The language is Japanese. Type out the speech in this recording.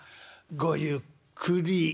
「ごゆっくり」。